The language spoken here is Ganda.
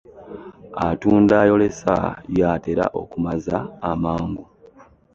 Atunda ayolesa y'atera okumaza amangu.